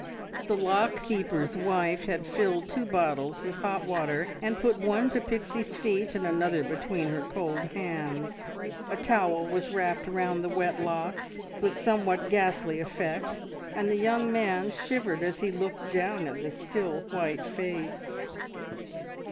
The lock keeper's wife had filled two bottles with hot water, and put one to Pixie's feet, and another between her cold hands; a towel was wrapped round the wet locks with somewhat ghastly effect, and the young man shivered as he looked down at the still, white face.